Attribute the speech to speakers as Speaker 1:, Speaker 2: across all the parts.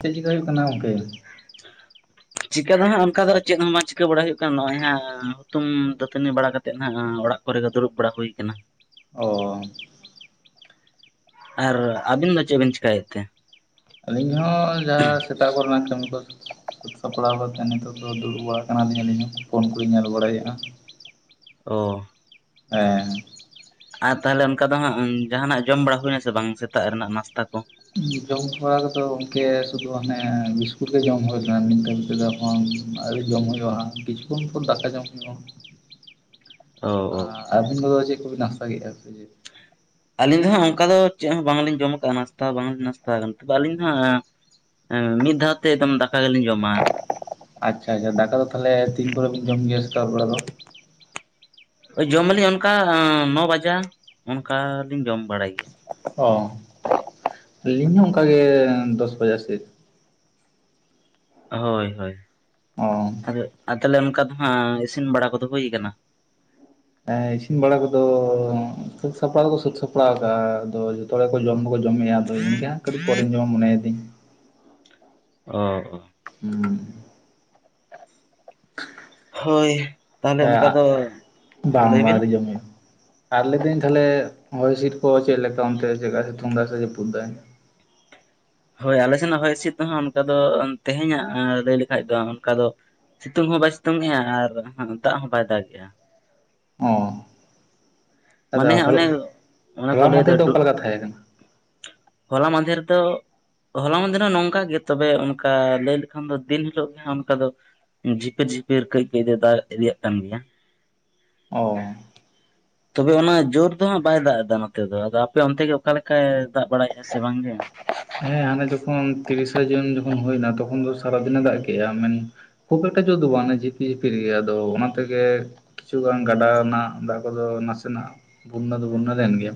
Speaker 1: ᱪᱮᱫ ᱪᱮᱠᱟ ᱦᱩᱭᱩᱜ ᱠᱟᱱᱟ ᱜᱚᱝᱠᱮ
Speaker 2: [unintelligible] ᱪᱤᱠᱟᱹ ᱫᱚ ᱦᱟᱸᱜ ᱚᱱᱠᱟ ᱫᱚ ᱪᱮᱫ ᱦᱚᱸ ᱪᱤᱠᱟᱹ ᱵᱟᱲᱟᱭ ᱦᱩᱭᱩᱜ ᱠᱟᱱᱟ ᱱᱚᱜᱼᱚᱭ ᱦᱟᱸᱜ ᱦᱩᱛᱩᱢ ᱫᱟᱹᱛᱟᱹᱱᱤ ᱵᱟᱲᱟ ᱠᱟᱛᱮᱜ ᱦᱟᱸᱜ ᱚᱲᱟᱜ ᱠᱚᱨᱮ ᱫᱩᱲᱩᱵ ᱵᱟᱲᱟ ᱦᱳᱭ ᱠᱟᱱᱟ᱾
Speaker 1: ᱚ
Speaker 2: ᱟᱨ ᱟᱵᱤᱱ ᱫᱚ ᱪᱮᱜ ᱵᱮᱱ ᱪᱮᱠᱟᱭᱮᱫ ᱛᱮ?
Speaker 1: ᱟᱹᱞᱤᱧ ᱦᱚᱸ ᱡᱟᱦᱟᱸ ᱥᱮᱛᱟᱜ ᱠᱚᱨᱮᱱᱟᱜ ᱠᱟᱹᱢᱤ ᱠᱚ ᱥᱟᱹᱛ ᱥᱟᱯᱲᱟᱣ ᱠᱟᱛᱮᱜ ᱱᱤᱛᱚᱜ ᱫᱚ ᱫᱩᱲᱩᱵᱟᱲᱟ ᱠᱟᱱᱟᱞᱤᱧ ᱟᱹᱞᱤᱧ ᱦᱚᱸ ᱯᱷᱳᱱ ᱠᱚᱞᱤᱧ ᱧᱮᱞ ᱵᱟᱲᱟᱭᱮᱜᱼᱟ᱾
Speaker 2: ᱚ
Speaker 1: ᱦᱮᱸ
Speaker 2: ᱟᱨ ᱛᱟᱦᱚᱞᱮ ᱚᱱᱠᱟ ᱫᱚ ᱦᱟᱸᱜ ᱡᱟᱦᱟᱱᱟᱜ ᱡᱚᱢ ᱵᱟᱲᱟ ᱦᱩᱭᱱᱟ ᱥᱮ ᱵᱟᱝ ᱥᱮᱛᱟᱜ ᱨᱮᱱᱟᱜ ᱱᱟᱥᱛᱟ ᱠᱚ?
Speaker 1: ᱡᱚᱢ ᱦᱚᱨᱟ ᱠᱚᱫᱚ ᱚᱝᱠᱮ ᱥᱩᱫᱷᱩ ᱦᱟᱱᱮ ᱵᱤᱥᱠᱩᱴ ᱜᱮ ᱡᱚᱢ ᱦᱩᱭ ᱠᱟᱱᱟ ᱱᱤᱝᱠᱟᱹᱱ ᱫᱚ ᱾ ᱟᱹᱣᱨᱤ ᱡᱚᱢ ᱦᱩᱭᱩᱜᱼᱟ ᱦᱟᱸᱜ ᱛᱤᱠᱤᱱ ᱯᱚᱨ ᱫᱟᱠᱟ ᱡᱚᱢ ᱦᱩᱭᱩᱜᱼᱟ ᱦᱟᱸᱜ᱾
Speaker 2: ᱚ ᱚ
Speaker 1: ᱟᱹᱵᱤᱱ ᱜᱚᱫᱚ ᱪᱮᱫ ᱠᱚᱵᱤᱱ ᱦᱟᱥᱟ ᱠᱮᱫᱼᱟ᱾ [unintelligible]
Speaker 2: ᱟᱹᱞᱤᱧ ᱫᱚ ᱦᱟᱸᱜ ᱚᱱᱠᱟ ᱫᱚ ᱪᱮᱫ ᱦᱚᱸ ᱵᱟᱝᱞᱤᱧ ᱡᱚᱢ ᱠᱟᱜ-ᱟ ᱱᱟᱥᱛᱟ ᱦᱚᱸ ᱵᱟᱝᱞᱤᱧ ᱱᱟᱥᱛᱟ ᱟᱠᱟᱱᱟ ᱛᱚᱵᱮ ᱟᱹᱞᱤᱧ ᱫᱚ ᱦᱟᱸᱜ ᱮᱸ ᱢᱤᱫ ᱫᱷᱟᱣ ᱛᱮ ᱮᱫᱚᱢ ᱫᱟᱠᱟ ᱜᱮᱞᱤᱧ ᱡᱚᱢᱟ᱾
Speaker 1: ᱟᱪᱪᱷᱟ ᱟᱪᱷᱟ ᱫᱟᱠᱟ ᱫᱚ ᱛᱟᱦᱚᱞᱮ ᱛᱤᱱ ᱠᱚᱨᱮ ᱵᱤᱱ ᱡᱚᱢ ᱜᱮᱭᱟ ᱥᱮᱛᱟᱜ ᱵᱮᱲᱟ ᱫᱚ?
Speaker 2: [inaudible] ᱳᱭ ᱡᱚᱢᱟᱞᱤᱧ ᱚᱱᱠᱟ ᱱᱚ ᱵᱟᱡᱟ ᱚᱱᱠᱟ ᱞᱤᱧ ᱡᱚᱢ ᱵᱟᱲᱟᱭ ᱜᱮᱭᱟ᱾
Speaker 1: ᱚ ᱟᱹᱞᱤᱧ ᱦᱚᱸ ᱚᱝᱠᱟᱜᱮ ᱫᱚᱥ ᱵᱟᱡᱟ ᱥᱮᱫ᱾
Speaker 2: ᱦᱳᱭ ᱦᱳᱭ
Speaker 1: ᱚ
Speaker 2: ᱟᱫᱚ ᱟᱨ ᱛᱟᱞᱦᱮ ᱚᱱᱠᱟ ᱫᱚ ᱦᱟᱸᱜ ᱤᱥᱤᱱ ᱵᱟᱲᱟ ᱠᱚᱫᱚ ᱦᱩᱭ ᱠᱟᱱᱟ?
Speaker 1: ᱮᱸ ᱤᱥᱤᱱ ᱵᱟᱲᱟ ᱠᱚᱫᱚ ᱥᱟᱹᱛ ᱥᱟᱯᱲᱟᱣ ᱫᱚᱠᱚ ᱥᱟᱹᱛ ᱥᱟᱯᱲᱟᱣ ᱟᱠᱟᱜᱼᱟ ᱟᱫᱚ ᱛᱚᱲᱚ ᱠᱚ ᱡᱚᱢ ᱫᱚᱠᱚ ᱡᱚᱢᱮᱜᱼᱟ ᱟᱫᱚ ᱤᱧ ᱜᱮ ᱦᱟᱸᱜ ᱠᱟᱹᱴᱤᱡ ᱯᱚᱨᱮᱧ ᱡᱚᱢᱟ ᱢᱚᱱᱮᱭᱫᱤᱧ᱾
Speaker 2: ᱚ ᱚ
Speaker 1: ᱦᱩᱸ
Speaker 2: ᱦᱳᱭ ᱛᱟᱦᱚᱞᱮ
Speaker 1: ᱦᱮᱸ
Speaker 2: ᱚᱱᱠᱟ
Speaker 1: ᱟᱜ
Speaker 2: ᱫᱚ
Speaker 1: ᱵᱟᱝ
Speaker 2: ᱞᱟᱹᱭ
Speaker 1: ᱵᱟᱝ
Speaker 2: ᱵᱤᱱ
Speaker 1: ᱟᱹᱨᱤ ᱡᱚᱢ ᱦᱳᱭᱳᱜᱼᱟ᱾ ᱟᱨ ᱞᱟᱹᱫᱤᱧ ᱛᱦᱟᱞᱮ ᱦᱚᱭ ᱦᱤᱸᱥᱤᱫ ᱠᱚ ᱪᱮᱫ ᱞᱮᱠᱟ ᱚᱱᱛᱮ ᱪᱮᱫᱠᱟ ᱥᱤᱛᱩᱝ ᱫᱟᱭ ᱥᱮ ᱡᱟᱹᱯᱩᱫ ᱫᱟᱭ?
Speaker 2: ᱦᱳᱭ ᱟᱞᱮ ᱥᱮᱱᱟᱜ ᱦᱚᱭ ᱦᱤᱸᱥᱤᱫ ᱫᱚ ᱦᱟᱸᱜ ᱚᱱᱠᱟ ᱫᱚ ᱛᱮᱦᱮᱧᱟᱜ ᱞᱟᱹᱭ ᱞᱮᱠᱷᱟᱡ ᱫᱚ ᱚᱱᱠᱟ ᱫᱚ ᱥᱤᱛᱩᱝ ᱦᱚᱸ ᱵᱟᱭ ᱥᱤᱛᱩᱝ ᱮ ᱟ ᱟᱨ ᱫᱟᱜ ᱦᱚᱸ ᱵᱟᱭ ᱫᱟᱜᱮᱜᱼᱟ᱾
Speaker 1: ᱚ ᱟᱫᱚ
Speaker 2: ᱢᱟᱱᱮ ᱦᱟᱸᱜ ᱚᱱᱮ
Speaker 1: ᱦᱚᱞᱟ
Speaker 2: ᱚᱱᱟ ᱠᱚ ᱞᱟᱹᱭ ᱫᱚ
Speaker 1: ᱢᱟᱫᱷᱮᱨ
Speaker 2: ᱰᱩ
Speaker 1: ᱚᱠᱟ ᱞᱮᱠᱟ ᱛᱟᱦᱮᱸ ᱠᱟᱱᱟ
Speaker 2: ᱦᱚᱞᱟ ᱢᱟᱫᱷᱮᱨ ᱫᱚ ᱦᱚᱞᱟ ᱢᱟᱫᱷᱮᱨ ᱦᱚᱸ ᱱᱚᱝᱠᱟ ᱜᱮ ᱛᱚᱵᱮ ᱚᱱᱠᱟ ᱞᱟᱹᱭ ᱞᱮᱠᱷᱟᱱ ᱫᱚ ᱫᱤᱱ ᱦᱤᱞᱳᱜ ᱜᱮ ᱦᱟᱸᱜ ᱚᱱᱠᱟ ᱫᱚ ᱡᱷᱤᱯᱤᱨ ᱡᱷᱤᱯᱤᱨ ᱠᱟᱹᱡ ᱠᱟᱹᱡ ᱫᱚᱭ ᱫᱟᱜ ᱤᱫᱤᱭᱟᱜ ᱠᱟᱱ ᱜᱮᱭᱟ᱾
Speaker 1: ᱚ
Speaker 2: ᱛᱚᱵᱮ ᱚᱱᱟ ᱡᱳᱨ ᱫᱚ ᱦᱟᱸᱜ ᱵᱟᱭ ᱫᱟᱜ ᱮᱫᱟ ᱱᱚᱛᱮ ᱫᱚ ᱟᱫᱚ ᱟᱯᱮ ᱚᱱᱛᱮ ᱜᱮ ᱚᱠᱟ ᱞᱮᱠᱟᱭ ᱫᱟᱜ ᱵᱟᱲᱟᱭᱮᱼᱟ ᱥᱮ ᱵᱟᱝ ᱜᱮ?
Speaker 1: ᱦᱮᱸ ᱦᱟᱱᱮ ᱡᱚᱠᱷᱚᱱ ᱛᱤᱨᱤᱥᱮ ᱡᱩᱱ ᱡᱚᱠᱷᱚᱱ ᱦᱩᱭᱱᱟ ᱛᱚᱠᱷᱚᱱ ᱫᱚ ᱥᱟᱨᱟᱫᱤᱱᱮ ᱫᱟᱜ ᱠᱮᱜᱼᱟ ᱢᱮᱱ ᱠᱷᱩᱵᱽ ᱮᱠᱴᱟ ᱡᱳᱨ ᱫᱚ ᱵᱟᱝ ᱡᱷᱤᱯᱤ ᱡᱷᱤᱯᱤᱨ ᱜᱮ ᱟᱫᱚ ᱚᱱᱟ ᱛᱮᱜᱮ ᱠᱤᱪᱷᱩᱜᱟᱱ ᱜᱟᱰᱟ ᱨᱮᱱᱟᱜ ᱫᱟᱜ ᱠᱚᱫᱚ ᱱᱟᱥᱮᱱᱟᱜ ᱵᱩᱱᱱᱟ ᱫᱚ ᱵᱩᱱᱱᱟ ᱞᱮᱱ ᱜᱮᱭᱟ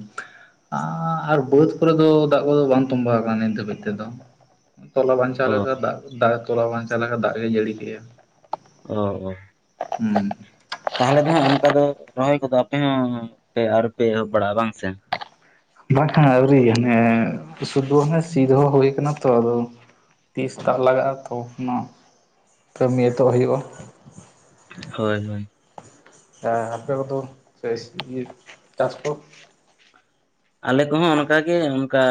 Speaker 1: ᱟᱨ ᱵᱟᱹᱫᱽ ᱠᱚᱨᱮ ᱫᱚ ᱫᱟᱜ ᱠᱚᱫᱚ ᱵᱟᱝ ᱛᱚᱸᱵᱟ [unintelligible] ᱱᱤᱱᱠᱟᱹ ᱵᱤᱫ ᱛᱮᱫᱚ ᱛᱚᱞᱟ ᱵᱟᱧᱪᱟᱣ
Speaker 2: ᱚ
Speaker 1: ᱞᱮᱠᱟ ᱫᱟᱜ ᱫᱟᱜ ᱛᱚᱞᱟ ᱵᱟᱪᱟᱣ ᱞᱮᱠᱟ ᱫᱟᱜ ᱜᱮ ᱡᱟᱹᱲᱤ ᱠᱮᱭᱟ
Speaker 2: ᱚ ᱚ
Speaker 1: ᱦᱩᱸ
Speaker 2: ᱛᱟᱦᱚᱞᱮ ᱫᱚ ᱦᱟᱸᱜ ᱚᱱᱠᱟ ᱫᱚ ᱨᱚᱦᱚᱭ ᱠᱚᱫᱚ ᱟᱯᱮ ᱦᱚᱸ ᱯᱮ ᱟᱹᱣᱨᱤ ᱯᱮ ᱮᱦᱚᱵ ᱵᱟᱲᱟᱜᱼᱟ ᱵᱟᱝ ᱥᱮ?
Speaker 1: ᱵᱟᱝᱠᱷᱟ ᱟᱹᱣᱨᱤ ᱦᱟᱱᱮ ᱥᱩᱫᱩ ᱚᱱᱮ ᱥᱤ ᱫᱚᱦᱚ ᱦᱩᱭ ᱠᱟᱱᱟ ᱛᱚ ᱟᱫᱚ ᱛᱤᱥ ᱫᱟᱜ ᱞᱟᱜᱟᱜᱼᱟ ᱛᱚᱠᱷ ᱱᱟᱜ ᱠᱟᱹᱢᱤ ᱮᱛᱚᱜ ᱦᱩᱭᱩᱜᱼᱟ᱾
Speaker 2: ᱦᱳᱭ ᱦᱳᱭ
Speaker 1: ᱮᱻ ᱟᱯᱮᱟ ᱠᱚᱫᱚ [unintelligible] ᱪᱟᱥ ᱠᱚ᱾
Speaker 2: ᱟᱞᱮ ᱠᱚᱦᱚᱸ ᱚᱱᱠᱟᱜᱮ ᱚᱱᱠᱟ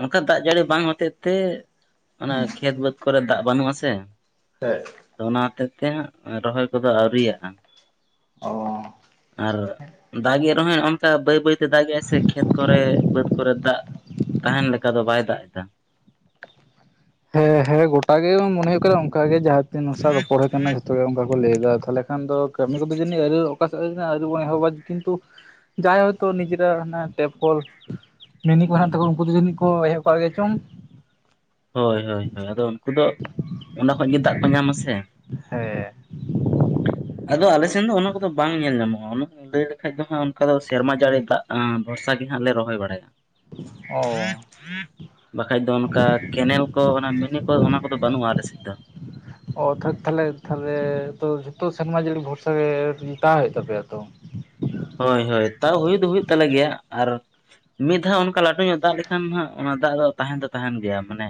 Speaker 2: ᱚᱱᱠᱟ ᱫᱟᱜ ᱡᱟᱹᱲᱤ ᱵᱟᱝ ᱦᱚᱛᱮᱫ ᱛᱮ ᱚᱱᱟ
Speaker 1: ᱦᱩᱸ
Speaker 2: ᱠᱷᱮᱛ ᱵᱟᱹᱫᱽ ᱠᱚᱨᱮ ᱫᱟᱜ ᱵᱟᱹᱱᱩᱜ-ᱟ ᱥᱮ
Speaker 1: ᱦᱮᱠ
Speaker 2: ᱛᱚ ᱚᱱᱟ ᱦᱚᱛᱮᱜ ᱛᱮ ᱨᱚᱦᱚᱭ ᱠᱚᱫᱚ ᱟᱹᱣᱨᱤᱭᱟᱜ-ᱟ
Speaker 1: ᱚ
Speaker 2: ᱟᱨ ᱫᱟᱜᱮᱜ ᱨᱮᱦᱚᱸᱭ ᱚᱱᱠᱟ ᱵᱟᱹᱭ ᱵᱟᱹᱭᱛᱮ ᱫᱟᱜᱮ ᱟᱭ ᱥᱮ ᱠᱷᱮᱛ ᱠᱚᱨᱮ ᱵᱟᱹᱫᱽ ᱠᱚᱨᱮ ᱫᱟᱜ ᱛᱟᱦᱮᱱ ᱞᱮᱠᱟ ᱫᱚ ᱵᱟᱭ ᱫᱟᱜ ᱮᱫᱟ᱾
Speaker 1: ᱦᱮᱸ ᱦᱮᱸ ᱜᱚᱴᱟᱜ ᱜᱮ ᱢᱚᱱᱮ ᱦᱳᱭᱳᱜ ᱠᱟᱱᱟ ᱚᱱᱠᱟ ᱜᱮ ᱡᱟᱦᱟ ᱛᱤᱱ ᱦᱚᱲ ᱥᱟᱣ ᱨᱚᱯᱚᱲ ᱦᱳᱭ ᱠᱟᱱᱟ ᱡᱚᱛᱚ ᱜᱮ ᱚᱱᱠᱟ ᱠᱚ ᱞᱟᱹᱭ ᱫᱟ ᱛᱟᱦᱞᱮ ᱠᱷᱟᱱ ᱫᱚ ᱠᱟᱹᱢᱤ ᱠᱚᱫᱚ ᱡᱟᱹᱱᱤᱡ ᱟᱹᱣᱨᱤ ᱚᱠᱟ ᱥᱮᱫ ᱟᱹᱣᱨᱤ ᱵᱚᱱ ᱮᱦᱚᱵᱟ ᱠᱤᱱᱛᱩ ᱡᱟᱭ ᱦᱳᱭ ᱛᱚ ᱱᱤᱡᱮᱨᱟᱜ ᱦᱟᱱᱮ ᱴᱮᱯ ᱠᱚᱞ ᱢᱤᱱᱤ ᱠᱚ ᱢᱮᱱᱟᱜ ᱛᱟᱠᱚᱣᱟ᱾ ᱩᱱᱠᱩ ᱫᱚ ᱡᱟᱹᱱᱤᱡ ᱠᱚ ᱮᱦᱚᱵ ᱠᱟᱜ ᱜᱮ ᱪᱚᱝ?
Speaker 2: ᱦᱳᱭ ᱦᱳᱭ ᱦᱳᱭ ᱟᱫᱚ ᱩᱱᱠᱩ ᱫᱚ ᱚᱱᱟ ᱠᱷᱚᱱ ᱜᱮ ᱫᱟᱜ ᱠᱚ ᱧᱟᱢᱟ ᱥᱮ?
Speaker 1: ᱦᱮᱸ ᱾
Speaker 2: ᱟᱫᱚ ᱟᱞᱮ ᱥᱮᱱ ᱫᱚ ᱩᱱᱟᱹᱜ ᱠᱚᱫᱚ ᱵᱟᱝ ᱧᱮᱞ ᱧᱟᱢᱚᱜᱼᱟ᱾ [unintelligible] ᱞᱟᱹᱭ ᱞᱮᱠᱷᱟᱡ ᱫᱚ ᱦᱟᱸᱜ ᱚᱱᱠᱟ ᱫᱚ ᱥᱮᱨᱢᱟ ᱡᱟᱹᱲᱤ ᱫᱟᱜ ᱵᱷᱚᱨᱥᱟ ᱜᱮ ᱦᱟᱸᱜ ᱞᱮ ᱨᱚᱦᱚᱭ ᱵᱟᱲᱟᱭᱟ ᱾
Speaker 1: ᱚ
Speaker 2: ᱵᱟᱠᱷᱟᱡ ᱫᱚ ᱚᱱᱠᱟ ᱠᱮᱱᱮᱞ ᱠᱚ ᱚᱱᱟ ᱢᱤᱱᱤ ᱠᱚ ᱚᱱᱟ ᱠᱚᱫᱚ ᱵᱟᱹᱱᱩᱜᱼᱟ ᱟᱞᱮ ᱥᱮᱫ ᱫᱚ᱾
Speaker 1: ᱚ ᱛᱷᱟ ᱛᱷᱟᱞᱮ ᱛᱟᱦᱞᱮ ᱛᱚ ᱡᱷᱚᱛᱚ ᱥᱮᱨᱢᱟ ᱡᱟᱹᱲᱤ ᱵᱷᱚᱨᱥᱟ ᱜᱮ ᱛᱟᱦᱮ ᱦᱩᱭᱩᱜ ᱛᱟᱯᱮᱭᱟ ᱛᱚ?
Speaker 2: ᱦᱳᱭ ᱦᱳᱭ ᱛᱟᱣ ᱦᱩᱭ ᱫᱚ ᱦᱩᱭᱩᱜ ᱛᱟᱞᱮ ᱜᱮᱭᱟ ᱟᱨ ᱢᱤᱫ ᱫᱷᱟᱣ ᱚᱱᱠᱟ ᱞᱟᱹᱴᱩ ᱧᱚᱜ ᱫᱟᱜ ᱞᱮᱠᱷᱟᱱ ᱦᱟᱸᱜ ᱚᱱᱟ ᱫᱟᱜ ᱫᱚ ᱛᱟᱦᱮᱱ ᱫᱚ ᱛᱟᱦᱮᱱ ᱜᱮᱭᱟ ᱢᱟᱱᱮ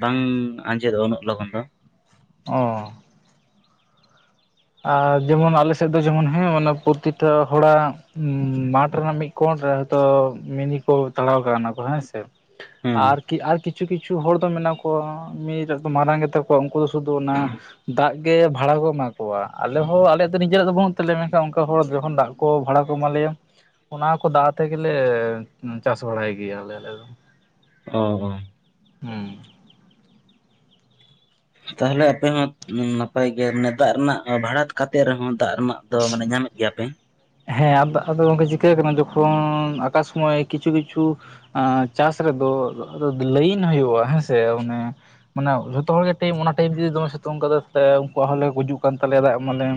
Speaker 2: ᱵᱟᱝ ᱟᱸᱡᱮ ᱫᱚᱜᱼᱟ ᱩᱱᱟᱹᱜ ᱞᱚᱜᱚᱱ ᱫᱚ᱾
Speaker 1: ᱚᱸ ᱟᱨ ᱡᱮ ᱢᱚᱱ ᱟᱞᱮ ᱥᱮᱫ ᱫᱚ ᱡᱮ ᱢᱚᱱ ᱦᱮᱸ ᱢᱟᱱᱮ ᱯᱨᱚᱛᱤᱴᱟ ᱦᱚᱲ ᱟᱜ ᱢᱟᱴᱷ ᱨᱮᱱᱟᱜ ᱢᱤᱫ ᱠᱚᱲ ᱨᱮ ᱦᱳᱭ ᱛᱚ ᱢᱤᱱᱤ ᱠᱚ ᱛᱟᱲᱟᱣ ᱠᱟᱣᱱᱟ ᱦᱮᱸ ᱥᱮ
Speaker 2: ᱦᱮᱸ
Speaker 1: ᱟᱨ ᱠᱤ ᱟᱨ ᱠᱤ ᱠᱤᱪᱷᱩ ᱠᱤᱪᱷᱩ ᱦᱚᱲ ᱫᱚ ᱢᱮᱱᱟᱜ ᱠᱚᱣᱟ [unintelligible] ᱢᱟᱨᱟᱝ ᱜᱮᱛᱟ ᱠᱚᱣᱟ᱾ ᱩᱱᱠᱩ ᱫᱚ ᱥᱩᱫᱷᱩ ᱚᱱᱟ ᱫᱟᱜ ᱜᱮ ᱵᱷᱟᱲᱟ ᱠᱚᱢᱟ ᱠᱚᱣᱟ ᱟᱞᱮ ᱦᱚᱸ ᱟᱞᱮᱭᱟᱜ ᱫᱚ ᱱᱤᱡᱮᱨᱟᱜ ᱫᱚ ᱵᱟᱹᱱᱩᱜ ᱛᱟᱞᱮᱭᱟ᱾ ᱢᱮᱱᱠᱷᱟᱱ ᱚᱱᱠᱟ ᱦᱚᱲ ᱡᱚᱠᱷᱚᱱ ᱫᱟᱜ ᱠᱚ ᱵᱷᱟᱲᱟ ᱠᱚ ᱮᱢᱟ ᱞᱮᱭᱟ᱾ ᱚᱱᱟ ᱠᱚ ᱫᱟᱜ ᱟᱛᱮ ᱜᱮᱞᱮ ᱪᱟᱥ ᱵᱟᱲᱟᱭ ᱜᱮᱭᱟ [unintelligible]
Speaker 2: ᱚ ᱚ
Speaker 1: ᱦᱩᱸ
Speaker 2: ᱛᱟᱦᱞᱮ ᱟᱯᱮ ᱦᱚᱸ ᱱᱟᱯᱟᱭ ᱜᱮᱭᱟ ᱫᱟᱜ ᱨᱮᱱᱟᱜ ᱵᱷᱟᱲᱟ ᱠᱟᱛᱮ ᱨᱮᱦᱚᱸ ᱫᱟᱜ ᱨᱮᱱᱟᱜ ᱫᱚ ᱢᱟᱱᱮ ᱧᱟᱢᱮᱫ ᱜᱮᱭᱟ ᱯᱮ᱾
Speaker 1: ᱦᱮᱸ ᱟᱫᱚ ᱟᱫᱚ ᱜᱚᱝᱠᱮ ᱪᱤᱠᱟᱹ ᱟᱠᱟᱱᱟ᱾ ᱡᱚᱠᱷᱚᱱ ᱟᱠᱟ ᱥᱳᱢᱳᱭ ᱠᱤᱪᱷᱩ ᱠᱤᱪᱷᱩ ᱪᱟᱥ ᱨᱮᱫᱚ ᱞᱟᱹᱭᱤᱱ ᱦᱩᱭᱩᱜᱼᱟ ᱦᱮᱸᱥᱮ ᱚᱱᱮ ᱢᱟᱱᱮ ᱡᱷᱚᱛᱚ ᱦᱚᱲ ᱜᱮ ᱴᱟᱭᱤᱢ ᱚᱱᱟ ᱴᱟᱭᱤᱢ ᱡᱩᱫᱤ ᱫᱚᱢᱮ ᱥᱤᱛᱩᱝ ᱠᱟᱫᱟᱭ ᱛᱟᱦᱞᱮ ᱩᱱᱠᱩᱣᱟᱜ ᱦᱚᱸᱞᱮ ᱜᱩᱡᱩᱜ ᱠᱟᱱ ᱛᱟᱞᱮᱭᱟ ᱫᱟᱜ ᱮᱢᱟ ᱞᱮᱢ᱾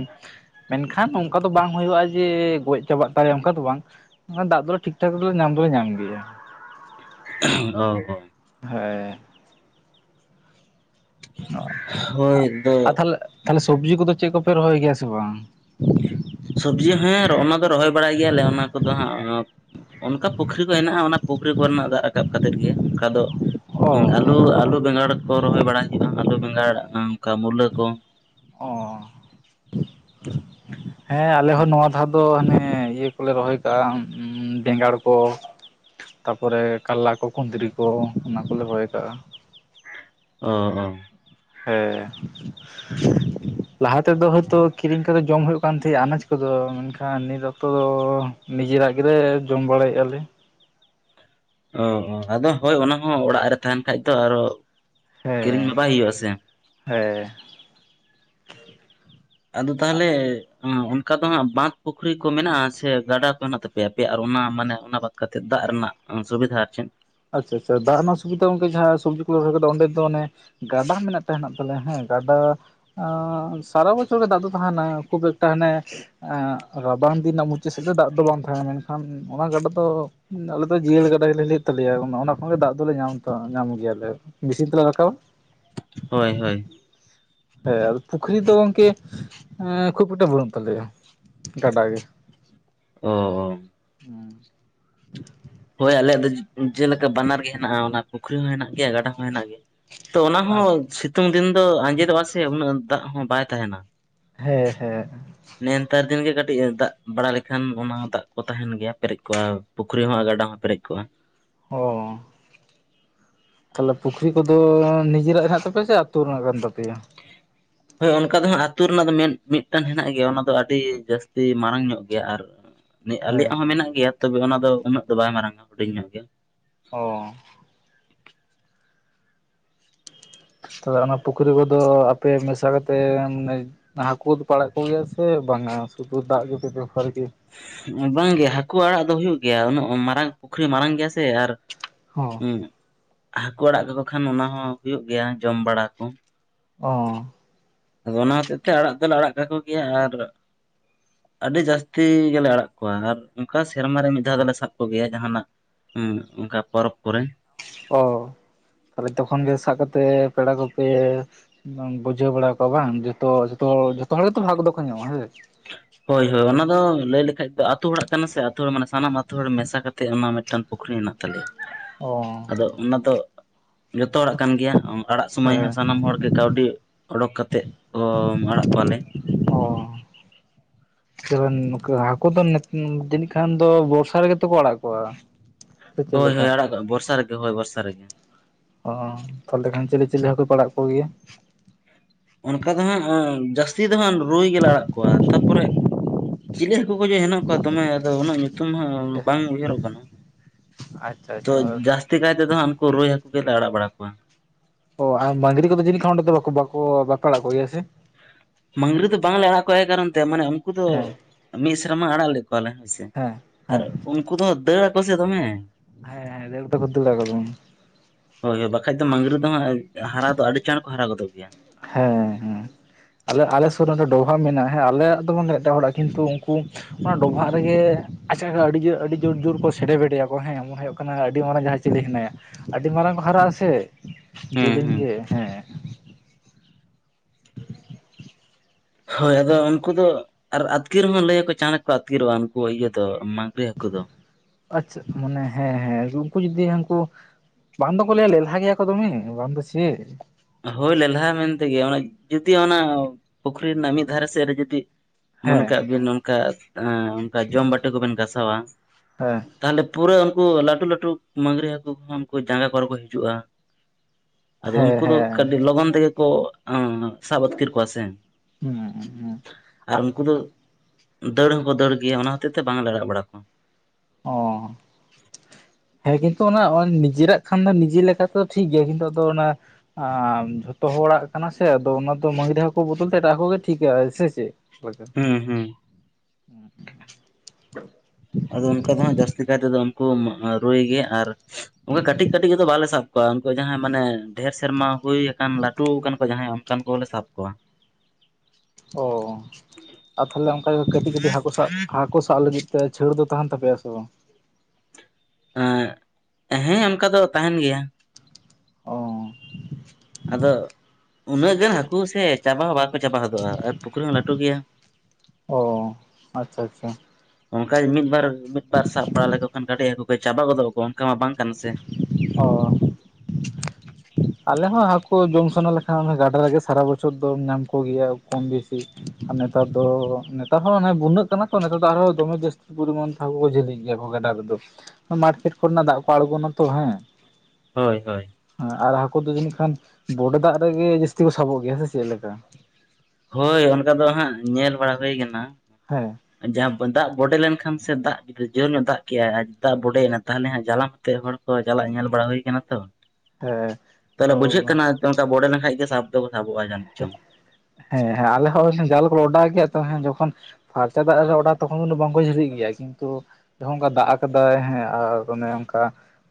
Speaker 1: ᱢᱮᱱᱠᱷᱟᱱ ᱚᱱᱠᱟ ᱫᱚ ᱵᱟᱝ ᱦᱳᱭᱳᱜᱼᱟ᱾ ᱡᱮ ᱜᱚᱡ ᱪᱟᱵᱟᱜ ᱛᱟᱞᱮᱭᱟ ᱚᱱᱠᱟ ᱫᱚ ᱵᱟᱝ ᱫᱟᱜ ᱫᱚᱞᱮ ᱴᱷᱤᱠ ᱴᱷᱟᱠ ᱫᱚᱞᱮ ᱧᱟᱢ ᱫᱚᱞᱮ ᱧᱟᱢ ᱜᱮᱭᱟ᱾
Speaker 2: ᱚ ᱦᱚ
Speaker 1: ᱦᱮᱸ ᱚ
Speaker 2: ᱦᱳᱭ ᱫᱚ
Speaker 1: ᱛᱟᱦᱞᱮ ᱥᱚᱵᱽᱡᱤ ᱠᱚᱫᱚ ᱪᱮᱫ ᱠᱚᱯᱮ ᱨᱚᱦᱚᱭ ᱜᱮᱭᱟ ᱥᱮ ᱵᱟᱝ?
Speaker 2: ᱥᱚᱵᱽᱡᱤ ᱦᱮᱸ ᱚᱱᱟ ᱫᱚ ᱨᱚᱦᱚᱭ ᱵᱟᱲᱟᱭ ᱜᱮᱭᱟ ᱞᱮ ᱚᱱᱟ ᱠᱚᱫᱚ ᱦᱟᱸᱜ᱾ ᱚᱸᱠ ᱚᱱᱠᱟ ᱯᱩᱠᱷᱨᱤ ᱠᱚ ᱦᱮᱱᱟᱜᱼᱟ᱾ ᱚᱱᱟ ᱯᱩᱠᱷᱨᱤ ᱠᱚ ᱨᱮᱱᱟᱜ ᱫᱟᱜ ᱨᱟᱠᱟᱵ ᱠᱟᱛᱮᱫ ᱜᱮ ᱚᱱᱠᱟ ᱫᱚ
Speaker 1: ᱚ
Speaker 2: [unintelligible] ᱟᱹᱞᱩ ᱟᱹᱞᱩ, ᱵᱮᱸᱜᱟᱲ ᱠᱚ ᱨᱚᱦᱚᱭ ᱵᱟᱲᱟᱭ ᱦᱩᱭᱩᱜᱼᱟ ᱟᱹᱞᱩ, ᱵᱮᱸᱜᱟᱲ, ᱚᱱᱠᱟ ᱢᱩᱞᱟᱹ ᱠᱚ ᱾
Speaker 1: ᱚᱸ ᱦᱮᱸ ᱟᱞᱮ ᱦᱚᱸ ᱱᱚᱣᱟ ᱫᱷᱟᱣ ᱫᱚ ᱦᱟᱱᱮ ᱤᱭᱟᱹ ᱠᱚᱞᱮ ᱨᱚᱦᱚᱭ ᱠᱟᱜᱼᱟ ᱵᱮᱸᱜᱟᱲ ᱠᱚ᱾ ᱛᱟᱯᱚᱨᱮ ᱠᱟᱞᱞᱟ ᱠᱚ ᱠᱩᱸᱫᱽᱨᱤ ᱠᱚ ᱚᱱᱟ ᱠᱚᱞᱮ ᱨᱚᱦᱚᱭ ᱟᱠᱟᱜᱼᱟ᱾
Speaker 2: ᱚᱸ ᱚᱸ
Speaker 1: ᱦᱮᱸ [inaudible] ᱞᱟᱦᱟ ᱛᱮᱫᱚ ᱦᱳᱭ ᱛᱚ ᱠᱤᱨᱤᱧ ᱠᱟᱛᱮᱫ ᱡᱚᱢ ᱦᱳᱭᱳᱜ ᱠᱟᱱ ᱛᱟᱦᱮᱜ-ᱟ ᱟᱱᱟᱡ ᱠᱚᱫᱚ, ᱢᱮᱱ ᱠᱷᱟᱱ ᱱᱤᱛ ᱚᱠᱛᱚ ᱫᱚ ᱱᱤᱡᱮᱨᱟᱜ ᱜᱮᱞᱮ ᱡᱚᱢ ᱵᱟᱲᱟᱭ ᱮᱜᱼᱟ ᱞᱮ᱾
Speaker 2: ᱚ ᱚ ᱟᱫᱚ ᱦᱳᱭ ᱚᱱᱟ ᱦᱚᱸ ᱚᱲᱟᱜ ᱨᱮ ᱛᱟᱦᱮᱱ ᱠᱷᱟᱡ ᱛᱚ ᱟᱨᱚ, ᱠᱤᱨᱤᱧ
Speaker 1: ᱦᱮᱸ
Speaker 2: ᱢᱟ ᱵᱟᱭ ᱦᱩᱭᱩᱜᱼᱟ ᱥᱮ᱾
Speaker 1: ᱦᱮᱸ
Speaker 2: ᱟᱫᱚ ᱛᱟᱦᱚᱞᱮ ᱚᱱᱠᱟ ᱫᱚ ᱦᱟᱸᱜ ᱵᱟᱸᱫᱽ ᱯᱩᱠᱷᱨᱤ ᱠᱚ ᱢᱮᱱᱟᱜᱼᱟ ᱥᱮ ᱜᱟᱰᱟ ᱠᱚ ᱦᱮᱱᱟᱜ ᱛᱟᱯᱮᱭᱟ ᱟᱯᱮᱭᱟᱜ ᱟᱨ ᱚᱱᱟ ᱢᱟᱱᱮ ᱚᱱᱟ ᱵᱟᱫ ᱠᱟᱛᱮᱫ ᱫᱟᱜ ᱨᱮᱱᱟᱜ ᱥᱩᱵᱤᱫᱷᱟ ᱟᱨ ᱪᱮᱫ
Speaker 1: ᱟᱪᱪᱷᱟ ᱟᱪᱷᱟ ᱫᱟᱜ ᱨᱮᱱᱟᱜ ᱥᱩᱤᱫᱷᱟ ᱜᱚᱝᱠᱮ ᱡᱟᱦᱟᱸ ᱥᱚᱵᱡᱤ ᱠᱚ ᱨᱚᱦᱚᱭ ᱠᱟᱫᱟ ᱚᱸᱰᱮ ᱫᱚ ᱚᱱᱮ ᱜᱟᱰᱟ ᱢᱮᱱᱟᱜ ᱛᱮ ᱦᱮᱱᱟᱜ ᱛᱟᱞᱮᱭᱟ ᱦᱮᱸ ᱜᱟᱰᱟ ᱟᱸ ᱥᱟᱨᱟ ᱵᱚᱪᱷᱚᱨ ᱜᱮ ᱫᱟᱜ ᱫᱚ ᱛᱟᱦᱮᱱᱟ, ᱠᱷᱩᱵ ᱮᱠᱴᱟ ᱦᱟᱱᱮ ᱮᱸ ᱨᱟᱵᱟᱝ ᱫᱤᱱ ᱨᱮᱱᱟᱜ ᱢᱩᱪᱟᱹᱫ ᱥᱮᱫ ᱫᱚ ᱫᱟᱜ ᱫᱚ ᱵᱟᱝ ᱛᱟᱦᱮᱱᱟ, ᱢᱮᱱᱠᱷᱟᱱ ᱚᱱᱟ ᱜᱟᱰᱟ ᱫᱚ ᱟᱞᱮ ᱫᱚ ᱡᱤᱭᱟᱹᱲ ᱜᱟᱰᱟ ᱜᱮᱞᱮ ᱞᱟᱹᱭ ᱛᱟᱞᱮᱭᱟ ᱚᱱᱟ ᱠᱷᱚᱱ ᱜᱮ ᱫᱟᱜ ᱫᱚᱞᱮ ᱧᱟᱢ ᱫᱟ ᱧᱟᱢ ᱜᱮᱭᱟᱞᱮ ᱢᱮᱥᱤᱱ ᱛᱮᱞᱮ ᱨᱟᱠᱟᱵᱟ
Speaker 2: ᱦᱳᱭ ᱦᱳᱭ
Speaker 1: ᱦᱮᱸ ᱟᱫᱚ ᱯᱩᱠᱷᱨᱤ ᱫᱚ ᱜᱚᱝᱠᱮ ᱮᱸ ᱠᱷᱩᱵ ᱮᱠᱴᱟ ᱵᱟᱹᱱᱩᱜ ᱛᱟᱞᱮᱭᱟ ᱜᱟᱰᱟ ᱜᱮ᱾
Speaker 2: ᱚ ᱾
Speaker 1: ᱦᱩᱸ
Speaker 2: ᱦᱳᱭ ᱟᱞᱮᱭᱟᱜ ᱫᱚ ᱡᱮᱞᱮᱠᱟ ᱵᱟᱱᱟᱨ ᱜᱮ ᱦᱮᱱᱟᱜᱼᱟ ᱚᱱᱟ ᱯᱩᱠᱷᱨᱤ ᱦᱚᱸ ᱦᱮᱱᱟᱜ ᱜᱮᱭᱟ ᱜᱟᱰᱟ ᱦᱚᱸ ᱦᱮᱱᱟᱜ ᱜᱮᱭᱟ ᱛᱚ ᱚᱱᱟ
Speaker 1: ᱟᱨ
Speaker 2: ᱦᱚᱸ ᱥᱤᱛᱩᱝ ᱫᱤᱱ ᱫᱚ ᱟᱸᱧᱡᱮᱫᱚᱜᱼᱟ ᱥᱮ ᱩᱱᱟᱹᱜ ᱫᱟᱜ ᱦᱚᱸ ᱵᱟᱭ ᱛᱟᱦᱮᱱᱟ
Speaker 1: ᱦᱮᱸ ᱦᱮᱸ
Speaker 2: ᱱᱮᱜᱼᱱᱮᱛᱟᱨ ᱫᱤᱱᱜᱮ ᱠᱟᱹᱴᱤᱡ ᱫᱟᱜ ᱵᱟᱲᱟ ᱞᱮᱠᱷᱟᱱ ᱚᱱᱟ ᱫᱟᱜ ᱠᱚ ᱛᱟᱦᱮᱱ ᱜᱮᱭᱟ ᱯᱮᱨᱮᱡ ᱠᱚᱜᱼᱟ ᱯᱩᱠᱷᱨᱤ ᱦᱚᱸ ᱟᱨ ᱜᱟᱰᱟ ᱦᱚᱸ ᱯᱮᱨᱮᱡ ᱠᱚᱜᱼᱟ᱾
Speaker 1: ᱦᱚᱻ ᱛᱟᱦᱞᱮ ᱯᱩᱠᱷᱨᱤ ᱠᱚᱫᱚ ᱱᱤᱡᱮᱨᱟᱜ ᱦᱮᱱᱟᱜ ᱛᱟᱯᱮᱭᱟ ᱥᱮ ᱟᱹᱛᱩ ᱨᱮᱱᱟᱜ ᱠᱟᱱ ᱛᱟᱯᱮᱭᱟ?
Speaker 2: ᱦᱳᱭ ᱚᱱᱠᱟ ᱫᱚ ᱦᱟᱸᱜ ᱟᱹᱛᱩ ᱨᱮᱱᱟᱜ ᱫᱚ ᱢᱮᱱ ᱢᱤᱫᱴᱟᱝ ᱦᱮᱱᱟᱜ ᱜᱮᱭᱟ ᱚᱱᱟ ᱫᱚ ᱟᱹᱰᱤ ᱡᱟᱹᱥᱛᱤ ᱢᱟᱨᱟᱝ ᱧᱚᱜ ᱜᱮᱭᱟ, ᱟᱨ ᱱᱮ
Speaker 1: ᱦᱮᱸ
Speaker 2: ᱟᱞᱮᱭᱟᱜ ᱦᱚᱸ ᱢᱮᱱᱟᱜ ᱜᱮᱭᱟ ᱛᱚᱵᱮ ᱚᱱᱟ ᱫᱚ ᱩᱱᱟᱹᱜ ᱫᱚ ᱵᱟᱭ ᱢᱟᱨᱟᱝᱼᱟ ᱦᱩᱰᱤᱧ ᱧᱚᱜ ᱜᱮᱭᱟ᱾
Speaker 1: ᱚ ᱛᱟᱦᱞᱮ ᱚᱱᱟ ᱯᱩᱠᱷᱨᱤ ᱠᱚᱫᱚ ᱟᱯᱮ ᱢᱮᱥᱟ ᱠᱟᱛᱮᱱ ᱦᱟᱹᱠᱩ ᱫᱚ ᱯᱮ ᱟᱲᱟᱜ ᱠᱚᱜᱮᱭᱟ ᱥᱮ ᱵᱟᱝᱼᱟ ᱥᱩᱫᱩ ᱫᱟᱜ ᱜᱮ ᱯᱮ ᱵᱮᱵᱷᱟᱨ ᱜᱮᱭᱟ
Speaker 2: ᱵᱟᱝᱜᱮ ᱦᱟᱹᱠᱩ ᱟᱲᱟᱜ ᱫᱚ ᱦᱩᱭᱩᱜ ᱜᱮᱭᱟ ᱩᱱᱟᱹᱜ ᱢᱟᱨᱟᱝ ᱯᱩᱠᱷᱨᱤ ᱢᱟᱨᱟᱝ ᱜᱮᱭᱟ ᱥᱮ ᱟᱨ
Speaker 1: ᱦᱚᱸ
Speaker 2: ᱦᱩᱸ ᱦᱟᱹᱠᱩ ᱟᱲᱟᱜ ᱠᱟᱠᱚ ᱠᱷᱟᱱ ᱚᱱᱟ ᱦᱚᱸ ᱦᱩᱭᱩᱜ ᱜᱮᱭᱟ ᱡᱚᱢ ᱵᱟᱲᱟ ᱠᱚ᱾
Speaker 1: ᱚ
Speaker 2: ᱟᱫᱚ ᱚᱱᱟ ᱦᱚᱛᱮᱡ ᱛᱮ ᱟᱲᱟᱜ ᱫᱚᱞᱮ ᱟᱲᱟᱜ ᱠᱟᱠᱚ ᱜᱮᱭᱟ, ᱟᱨ ᱟᱹᱰᱤ ᱡᱟᱹᱥᱛᱤ ᱜᱮᱞᱮ ᱟᱲᱟᱜ ᱠᱚᱣᱟ ᱟᱨ ᱚᱱᱠᱟ ᱥᱮᱨᱢᱟ ᱨᱮ ᱢᱤᱫ ᱫᱷᱟᱣ ᱫᱚᱞᱮ ᱥᱟᱵ ᱠᱚᱜᱮᱭᱟ ᱡᱟᱦᱟᱱᱟᱜ ᱦᱩᱸ ᱚᱝᱠᱟ ᱯᱚᱨᱚᱵᱽ ᱠᱚᱨᱮ᱾
Speaker 1: ᱚ ᱛᱟᱦᱞᱮ ᱛᱚᱠᱷᱚᱱ ᱜᱮ ᱥᱟᱵ ᱠᱟᱛᱮ ᱯᱮᱲᱟ ᱠᱚᱯᱮ ᱵᱟᱝ ᱵᱩᱡᱷᱟᱹᱣ ᱵᱟᱲᱟ ᱠᱚᱣᱟ ᱵᱟᱝ ᱡᱚᱛᱚ ᱡᱚᱛᱚ ᱡᱚᱛᱚ ᱦᱚᱲ ᱜᱮᱛᱚ ᱵᱷᱟᱜᱽ ᱫᱚᱠᱚ ᱧᱟᱢᱼᱟ ᱦᱮᱸ
Speaker 2: ᱦᱳᱭ ᱦᱳᱭ ᱚᱱᱟ ᱫᱚ ᱞᱟᱹᱭ ᱞᱮᱠᱷᱟᱡ ᱫᱚ ᱟᱛᱩ ᱦᱚᱲᱟᱜ ᱠᱟᱱᱟ ᱥᱮ ᱟᱛᱩ ᱦᱚᱲ ᱢᱟᱱᱮ ᱥᱟᱱᱟᱢ ᱟᱛᱩ ᱦᱚᱲ ᱢᱮᱥᱟ ᱠᱟᱛᱮᱫ ᱚᱱᱟ ᱢᱤᱫ ᱴᱟᱝ ᱯᱩᱠᱷᱨᱤ ᱦᱮᱱᱟᱜ ᱛᱟᱞᱮᱭᱟ
Speaker 1: ᱚ
Speaker 2: ᱟᱫᱚ ᱚᱱᱟ ᱫᱚ ᱡᱚᱛᱚ ᱦᱚᱲᱟᱜ ᱠᱟᱱ ᱜᱮᱭᱟ ᱟᱲᱟᱜ ᱥᱚᱢᱚᱭ ᱦᱚᱸ
Speaker 1: ᱦᱮᱸ
Speaker 2: ᱥᱟᱱᱟᱢ ᱦᱚᱲᱜᱮ ᱠᱟᱹᱣᱰᱤ ᱚᱰᱳᱚᱠ ᱠᱟᱛᱮᱫ ᱠᱚ ᱟᱲᱟᱜ ᱠᱚᱣᱟᱞᱮ
Speaker 1: ᱚ ᱡᱮ ᱱᱚᱝᱠᱟ ᱦᱟᱹᱠᱩ ᱫᱚ ᱡᱟᱹᱱᱤᱡ ᱠᱷᱟᱱ ᱫᱚ ᱵᱚᱨᱥᱟ ᱨᱮᱜᱮ ᱛᱚᱠᱚ ᱟᱲᱟᱜ ᱠᱚᱣᱟ? ᱥᱮ ᱪᱮᱫ
Speaker 2: ᱦᱳᱭ
Speaker 1: ᱞᱮᱠᱟ?
Speaker 2: ᱦᱳᱭ ᱟᱲᱟᱜ ᱫᱚ ᱵᱚᱨᱥᱟ ᱨᱮᱜ ᱦᱳᱭ ᱵᱚᱨᱥᱟ ᱨᱮᱜᱮ
Speaker 1: ᱚ ᱛᱟᱦᱞᱮ ᱠᱷᱟᱱ ᱪᱤᱞᱤ ᱪᱤᱞᱤ ᱦᱟᱹᱠᱩ ᱯᱮ ᱟᱲᱟᱜ ᱠᱚ ᱜᱮᱭᱟ?
Speaker 2: ᱚᱱᱠᱟ ᱫᱚ ᱦᱟᱸᱜ ᱡᱟᱹᱥᱛᱤ ᱫᱚ ᱦᱟᱸᱜ ᱨᱩᱭ ᱜᱮᱞᱮ ᱟᱲᱟᱜ ᱠᱚᱣᱟ ᱛᱟᱨᱯᱚᱨᱮ ᱪᱤᱞᱤ ᱦᱟᱹᱠᱩ ᱠᱚᱡᱮ ᱦᱮᱱᱟᱜ ᱠᱚᱣᱟ ᱫᱚᱢᱮ ᱟᱫᱚ ᱩᱱᱟᱹᱜ ᱧᱩᱛᱩᱢ ᱫᱚ ᱦᱟᱸᱜ ᱵᱟᱝ ᱩᱭᱦᱟᱹᱨᱚᱜ ᱠᱟᱱᱟ
Speaker 1: ᱟᱪᱪᱷᱟ
Speaker 2: ᱛᱚ
Speaker 1: ᱟᱪᱪᱷᱟ
Speaker 2: ᱡᱟᱥᱛᱤ ᱥᱛᱤ ᱠᱟᱭᱛᱮ ᱫᱚ ᱦᱟᱸᱜ ᱩᱱᱠᱩ ᱨᱩᱭ ᱦᱟᱹᱠᱩ ᱜᱮᱞᱮ ᱟᱲᱟᱜ ᱵᱟᱲᱟ ᱠᱚᱣᱟ᱾
Speaker 1: ᱚ ᱟᱨ ᱢᱟᱜᱽᱨᱤ ᱠᱚᱫᱚ ᱡᱟᱱᱤᱡ ᱠᱷᱟᱱ ᱚᱱᱰᱮ ᱵᱟᱠᱚ ᱵᱟᱠᱚ ᱟᱲᱟᱜ ᱠᱚ ᱜᱮᱭᱟ ᱦᱮᱸ ᱥᱮ
Speaker 2: ᱢᱟᱸᱜᱽᱨᱤ ᱫᱚ ᱵᱟᱝᱞᱮ ᱟᱲᱟᱜ ᱠᱚᱣᱟ ᱮ ᱠᱟᱨᱚᱱ ᱛᱮ ᱢᱟᱱᱮ ᱩᱱᱠᱩ ᱫᱚ
Speaker 1: ᱦᱮᱸ
Speaker 2: ᱢᱤᱫ ᱥᱮᱨᱢᱟ ᱟᱲᱟᱜ ᱞᱮᱫ ᱠᱚᱣᱟᱞᱮ
Speaker 1: ᱦᱮᱸ
Speaker 2: ᱟᱨ
Speaker 1: ᱦᱮᱸ
Speaker 2: ᱩᱱᱠᱩ ᱫᱚ ᱫᱟᱹᱲ ᱟᱠᱚ ᱥᱮ ᱫᱚᱢᱮ᱾
Speaker 1: ᱦᱮᱸ ᱦᱮᱸ ᱫᱟᱹᱲ ᱫᱚᱠᱚ ᱫᱟᱹᱲᱟᱠ ᱞᱚᱜᱚᱱ
Speaker 2: ᱦᱳᱭ ᱦᱳᱭ ᱵᱟᱠᱷᱟᱡ ᱫᱚ ᱢᱟᱺᱜᱽᱨᱤ ᱫᱚ ᱦᱟᱸᱜ ᱦᱟᱨᱟ ᱫᱚ ᱟᱹᱰᱤ ᱪᱟᱸᱲ ᱠᱚ ᱦᱟᱨᱟ ᱜᱚᱫᱚᱜ ᱜᱮᱭᱟ᱾
Speaker 1: ᱦᱮᱸ ᱦᱮᱸ ᱟᱞᱮ ᱟᱞᱮ ᱥᱩᱨ ᱨᱮ ᱢᱤᱫᱴᱮᱡ ᱰᱚᱵᱷᱟᱜ ᱢᱮᱱᱟᱜᱼᱟ ᱦᱮᱸ ᱟᱞᱮᱭᱟᱜ ᱫᱚ ᱵᱟᱝ ᱠᱟᱱᱟ ᱮᱴᱟᱜ ᱦᱚᱲᱟᱜ ᱠᱤᱱᱛᱩ ᱩᱱᱠᱩ ᱚᱱᱟ ᱰᱚᱵᱷᱟᱜ ᱨᱮᱜᱮ ᱟᱪᱷᱟ ᱟᱹᱰᱤ ᱡᱳᱨ ᱟᱹᱰᱤ ᱡᱳᱨ ᱡᱳᱨ ᱠᱚ ᱥᱮᱴᱮᱵᱮᱰᱮᱭᱟᱠᱚ ᱦᱮᱸ ᱢᱚᱱᱮ ᱦᱩᱭᱩᱜ ᱠᱟᱱᱟ ᱟᱹᱰᱤ ᱢᱟᱨᱟᱝ ᱡᱟᱦᱟᱸ ᱪᱤᱞᱤ ᱦᱮᱱᱟᱭᱟ ᱟᱹᱰᱤ ᱢᱟᱨᱟᱝ ᱠᱚ ᱦᱟᱨᱟᱜᱼᱟ ᱥᱮ
Speaker 2: ᱦᱩᱸ
Speaker 1: ᱡᱮᱹᱞᱮᱹᱧ
Speaker 2: ᱦᱩᱸ
Speaker 1: ᱜᱮ ᱦᱮᱸ
Speaker 2: ᱦᱳᱭ ᱟᱫᱚ ᱩᱱᱠᱩ ᱫᱚ ᱟᱨ ᱟᱹᱛᱠᱤᱨ ᱦᱚᱸ ᱞᱟᱹᱭᱟᱠᱚ ᱪᱟᱬ ᱜᱮᱠᱚ ᱟᱹᱛᱠᱤᱨᱚᱜᱼᱟ ᱩᱱᱠᱩ ᱤᱭᱟᱹ ᱫᱚ ᱢᱟᱺᱜᱽᱨᱤ ᱦᱟᱹᱠᱳ ᱫᱚ
Speaker 1: ᱟᱪᱪᱷᱟ ᱢᱟᱱᱮ ᱦᱮᱸ ᱦᱮᱸ ᱩᱱᱠᱩ ᱡᱚᱫᱤ ᱦᱟᱱᱠᱩ ᱵᱟᱝᱫᱚ ᱠᱚ ᱞᱟᱹᱭᱟ ᱞᱮᱞᱦᱟ ᱜᱮᱭᱟᱠᱚ ᱫᱚᱢᱮ ᱵᱟᱝ ᱫᱚ ᱪᱮᱫ
Speaker 2: ᱦᱳᱭ ᱞᱮᱞᱦᱟ ᱢᱮᱱᱛᱮᱜᱮ ᱡᱩᱫᱤ ᱚᱱᱟ ᱯᱩᱠᱷᱨᱤ ᱨᱮᱱᱟᱜ ᱢᱤᱫ ᱫᱷᱟᱨᱮ ᱥᱮᱫ ᱨᱮ ᱡᱩᱫᱤ ᱢᱚᱱᱮ
Speaker 1: ᱦᱮᱸ
Speaker 2: ᱠᱟᱜ ᱵᱤᱱ ᱚᱱᱠᱟ ᱮ ᱚᱱᱠᱟ ᱡᱚᱢ ᱵᱟᱹᱴᱤ ᱠᱚᱵᱤᱱ ᱜᱟᱥᱟᱣᱟ
Speaker 1: ᱦᱮᱸ
Speaker 2: ᱛᱟᱦᱚᱞᱮ ᱯᱩᱨᱟᱹ ᱩᱱᱠᱩ ᱞᱟᱹᱴᱩ ᱞᱟᱹᱴᱩ ᱢᱟᱺᱜᱽᱨᱤ ᱦᱟᱹᱠᱩ ᱠᱚᱦᱚᱸ ᱩᱱᱠᱩ ᱡᱟᱸᱜᱟ ᱠᱚᱨᱮ ᱠᱚ ᱦᱤᱡᱩᱜᱼᱟ ᱟᱫᱚ
Speaker 1: ᱦᱮᱸ
Speaker 2: ᱩᱱᱠᱩ ᱫᱚ
Speaker 1: ᱦᱮᱸ
Speaker 2: ᱠᱟᱹᱴᱤᱡ ᱞᱚᱜᱚᱱ ᱛᱮᱜᱮ ᱠᱚ ᱥᱟᱵ ᱟᱹᱛᱠᱤᱨ ᱠᱚᱣᱟ ᱥᱮ
Speaker 1: ᱦᱩᱸ ᱦᱩᱸ
Speaker 2: ᱟᱨ ᱩᱱᱠᱩ ᱫᱚ ᱫᱟᱹᱲ ᱦᱚᱸᱠᱚ ᱫᱟᱹᱲ ᱜᱮᱭᱟ ᱚᱱᱟ ᱦᱚᱛᱮᱡ ᱛᱮ ᱵᱟᱝ ᱞᱮ ᱟᱲᱟᱜ ᱵᱟᱲᱟ ᱠᱚᱣᱟ
Speaker 1: ᱦᱚᱸ ᱦᱮᱸ ᱠᱤᱱᱛᱩ ᱚᱱᱟ ᱱᱤᱡᱮᱹᱨᱟᱜ ᱠᱷᱟᱱ ᱫᱚ ᱱᱤᱡᱮᱹ ᱞᱮᱠᱟ ᱛᱚ ᱴᱷᱤᱠ ᱜᱮᱭᱟ ᱠᱤᱱᱛᱩ ᱟᱫᱚ ᱚᱱᱟ ᱟᱨ ᱡᱷᱚᱛᱚ ᱦᱚᱲᱟᱜ ᱠᱟᱱᱟ ᱥᱮ ᱟᱫᱚ ᱚᱱᱟ ᱫᱚ ᱢᱟᱺᱜᱨᱤ ᱦᱟᱹᱠᱳ ᱵᱚᱫᱚᱞ ᱛᱮ ᱮᱴᱟᱜ ᱦᱟᱹᱠᱳ ᱜᱮ ᱴᱷᱤᱠ ᱜᱮᱭᱟ ᱥᱮ ᱪᱮᱫ [unintelligible]
Speaker 2: ᱦᱮᱸ ᱦᱩᱸ ᱟᱫᱚ ᱚᱱᱠᱟ ᱫᱚ ᱦᱟᱸᱜ ᱡᱟᱹᱥᱛᱤ ᱠᱟᱭ ᱛᱮᱫᱚ ᱩᱱᱠᱩ ᱢᱟᱜ ᱨᱩᱭ ᱜᱮ ᱟᱨ ᱚᱱᱠᱟ ᱠᱟᱹᱴᱤᱡ ᱠᱟᱹᱴᱤᱡ ᱠᱚᱫᱚ ᱵᱟᱞᱮ ᱥᱟᱵ ᱠᱚᱣᱟ ᱩᱱᱠᱩ ᱡᱟᱦᱟᱸᱭ ᱢᱟᱱᱮ ᱰᱷᱮᱨ ᱥᱮᱨᱢᱟ ᱦᱩᱭ ᱟᱠᱟᱱ ᱞᱟᱹᱴᱩ ᱟᱠᱟᱱ ᱠᱚ ᱡᱟᱦᱟᱸᱭ ᱚᱱᱠᱟᱱ ᱠᱚᱞᱮ ᱥᱟᱵ ᱠᱚᱣᱟ [inaudible]
Speaker 1: ᱚ ᱟᱨ ᱛᱟᱦᱚᱞᱮ ᱚᱱᱠᱟ ᱠᱟᱹᱴᱤᱡ ᱠᱟᱹᱴᱤᱡ ᱦᱟᱹᱠᱳ ᱥᱟᱵ ᱦᱟᱹᱠᱳ ᱥᱟᱵ ᱞᱟᱹᱜᱤᱫ ᱛᱮ ᱪᱷᱟᱹᱲ ᱫᱚ ᱛᱟᱦᱮᱱ ᱛᱟᱯᱮᱭᱟ ᱥᱮ ᱵᱟᱝ?
Speaker 2: ᱮᱸᱜ ᱦᱮᱸ ᱚᱱᱠᱟ ᱫᱚ ᱛᱟᱦᱮᱱ ᱜᱮᱭᱟ
Speaker 1: ᱚ
Speaker 2: ᱟᱫᱚ ᱩᱱᱟᱹᱜ ᱜᱟᱱ ᱦᱟᱹᱠᱩ ᱥᱮ ᱪᱟᱵᱟ ᱦᱚᱸ ᱵᱟᱠᱚ ᱪᱟᱵᱟ ᱦᱚᱫᱚᱜᱼᱟ ᱟᱨ ᱯᱩᱠᱷᱨᱤ ᱦᱚᱸ ᱞᱟᱹᱴᱩ ᱜᱮᱭᱟ
Speaker 1: ᱚ ᱟᱪᱪᱷᱟ ᱟᱪᱪᱷᱟ
Speaker 2: ᱚᱱᱠᱟ ᱢᱤᱫᱵᱟᱨ ᱢᱤᱫᱵᱟᱨ ᱥᱟᱵ ᱵᱟᱲᱟ ᱞᱮᱠᱚ ᱠᱷᱟᱱ ᱠᱟᱹᱴᱤᱡ ᱦᱟᱹᱠᱩ ᱠᱚ ᱪᱟᱵᱟ ᱜᱚᱫᱚᱜ ᱟᱠᱚ ᱚᱱᱠᱟ ᱢᱟ ᱵᱟᱝ ᱠᱟᱱᱟ ᱥᱮ
Speaker 1: ᱚ
Speaker 2: [unintelligible]
Speaker 1: ᱟᱞᱮ ᱦᱚᱸ ᱦᱟᱠᱳ ᱡᱚᱢ ᱥᱟᱱᱟ ᱞᱮᱠᱷᱟᱱ ᱜᱟᱰᱟ ᱨᱮᱜᱮ ᱥᱟᱨᱟ ᱵᱚᱪᱷᱚᱨ ᱫᱚᱢ ᱧᱟᱢ ᱠᱚᱜᱮᱭᱟ ᱠᱚᱢ ᱵᱮᱥᱤ ᱥᱤ ᱟᱨ ᱱᱮᱛᱟᱨ ᱫᱚ ᱱᱮᱛᱟᱨ ᱦᱚᱸ ᱚᱱᱮ ᱵᱩᱱᱱᱟᱹᱜ ᱠᱟᱱᱟ ᱛᱚ ᱱᱮᱛᱟᱨ ᱫᱚ ᱟᱨᱦᱚᱸ ᱫᱚᱢᱮ ᱡᱟᱹᱥᱛᱤ [unintelligible] ᱛᱮ ᱦᱟᱠᱳ ᱠᱚ ᱡᱷᱟᱹᱞᱤᱜ ᱜᱮᱭᱟ ᱠᱚ ᱜᱟᱰᱟ ᱨᱮᱫᱚ ᱢᱟᱴᱠᱷᱮᱛ ᱠᱚᱨᱮᱱᱟᱜ ᱫᱟᱜ ᱠᱚ ᱟᱸᱲᱜᱚᱱᱟ ᱛᱚ ᱦᱮᱸ
Speaker 2: ᱦᱳᱭ ᱦᱳᱭ
Speaker 1: ᱦᱮᱸ ᱟᱨ ᱦᱟᱠᱳ ᱫᱚ ᱡᱟᱹᱱᱤᱡ ᱠᱷᱟᱱ ᱵᱚᱰᱮ ᱫᱟᱜ ᱨᱮᱜᱮ ᱡᱟᱹᱥᱛᱤ ᱠᱚ ᱥᱟᱵᱚᱜ ᱜᱮᱭᱟ ᱥᱮ ᱪᱮᱫᱞᱮᱠᱟ?
Speaker 2: ᱦᱳᱭ ᱚᱱᱠᱟ ᱫᱚ ᱦᱟᱸᱜ ᱧᱮᱞ ᱵᱟᱲᱟ ᱦᱳᱭ ᱠᱟᱱᱟ
Speaker 1: ᱦᱮᱸ
Speaker 2: ᱡᱟᱦᱟᱸ ᱫᱟᱜ ᱵᱚᱰᱮ ᱞᱮᱱᱠᱷᱟᱱ ᱥᱮ ᱫᱟᱜ ᱡᱩᱫᱤ ᱡᱳᱨ ᱧᱚᱜ ᱫᱟᱜ ᱠᱮᱜᱼᱟ ᱟᱨ ᱫᱟᱜ ᱵᱚᱰᱮᱭᱮᱱᱟ ᱛᱟᱦᱚᱞᱮ ᱦᱟᱸᱜ ᱡᱟᱞᱟᱢ ᱛᱮᱜ ᱦᱚᱲ ᱠᱚ ᱪᱟᱞᱟᱜ ᱧᱮᱞ ᱵᱟᱲᱟ ᱦᱩᱭ ᱠᱟᱱᱟ ᱛᱚ
Speaker 1: ᱦᱮᱸ
Speaker 2: ᱛᱟᱦᱞᱮ
Speaker 1: ᱛᱚ
Speaker 2: ᱵᱩᱡᱷᱟᱹᱜ ᱠᱟᱱᱟ ᱚᱱᱠᱟ ᱵᱚᱰᱮ ᱞᱮᱱᱠᱷᱟᱡ ᱜᱮ ᱥᱟᱵ ᱫᱚᱠᱚ ᱥᱟᱵᱚᱜᱼᱟ ᱡᱟᱱᱤᱡ
Speaker 1: ᱛᱮ [unintelligible] ᱦᱮᱸ ᱦᱮᱸ ᱟᱞᱮ ᱦᱚᱸ ᱡᱟᱞ ᱠᱚᱞᱮ ᱚᱰᱟᱣ ᱜᱮᱭᱟ ᱛᱚ ᱦᱮᱸ ᱡᱚᱠᱷᱚᱱ ᱯᱷᱟᱨᱪᱟ ᱫᱟᱜ ᱨᱮ ᱞᱮ ᱚᱰᱟᱣ ᱛᱚᱠᱷᱚᱱ ᱠᱤᱱᱛᱩ ᱵᱟᱝ ᱦᱳᱭ ᱡᱷᱟᱹᱞᱤᱜ ᱜᱮᱭᱟᱭ ᱠᱤᱱᱛᱩ ᱡᱚᱠᱷᱚᱱ ᱚᱱᱠᱟ ᱫᱟᱜ ᱟᱠᱟᱫᱟᱭ ᱦᱮᱸ ᱟᱨ ᱚᱱᱮ ᱚᱝᱠᱟ